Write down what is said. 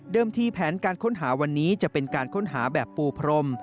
ที่แผนการค้นหาวันนี้จะเป็นการค้นหาแบบปูพรม